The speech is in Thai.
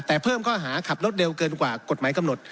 แต่เพิ่มข้อหาขับรถเร็วเกินกว่ากฎหมายกำหนด